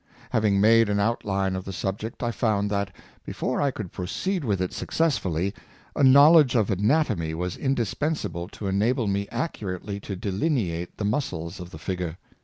Having made an outline of the subject, I found that, before I could pro ceed v/ith it succesfully, a knowledge of anatomy was indispensable to enable me accurately to delineate the muscles of the figure.